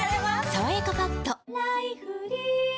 「さわやかパッド」